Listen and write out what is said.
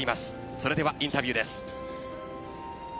それではインタビューです。